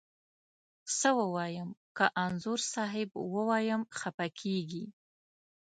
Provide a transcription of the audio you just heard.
څه ووایم، که انځور صاحب ووایم خپه کږې.